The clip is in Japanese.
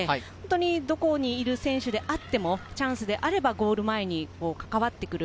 どこにいる選手であってもチャンスであればゴール前に関わってくる。